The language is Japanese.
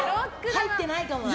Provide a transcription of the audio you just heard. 入ってないかもな。